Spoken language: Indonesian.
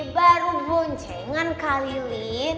baru boncengan kali lin